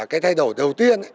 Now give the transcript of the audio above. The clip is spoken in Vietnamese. cái thay đổi đầu tiên